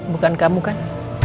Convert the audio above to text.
bukan kamu kan